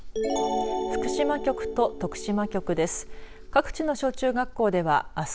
福島局と徳島局です。